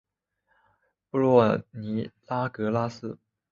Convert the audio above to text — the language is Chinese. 布洛尼拉格拉斯。